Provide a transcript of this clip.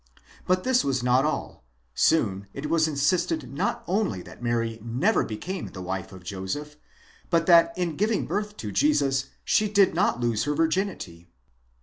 But this was not all; soon it was insisted not only that Mary never became the wife of Joseph, but that in giving birth to Jesus she did not lose her virginity.